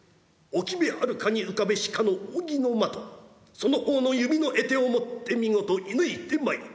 沖めはるかに浮かべしかの扇の的その方の弓の得手をもって見事射ぬいてまいれ。